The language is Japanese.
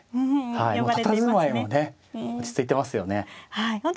たたずまいもね落ち着いてますよね。